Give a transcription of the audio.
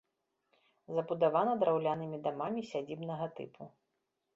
Забудавана драўлянымі дамамі сядзібнага тыпу.